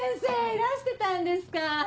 いらしてたんですか。